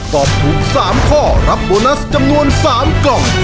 ตอบถูก๓ข้อรับโบนัสจำนวน๓กล่อง